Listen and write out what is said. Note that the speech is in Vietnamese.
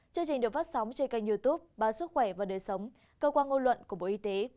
chương trình được phát sóng trên kênh youtube báo sức khỏe và đời sống cơ quan ngôn luận của bộ y tế